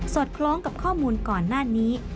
คล้องกับข้อมูลก่อนหน้านี้